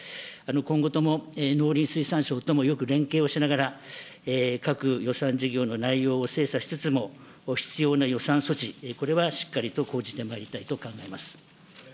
今後とも農林水産省ともよく連携をしながら、各予算事業の内容を精査しつつも、必要な予算措置、これはしっかりと講じてまいりたいと考えます。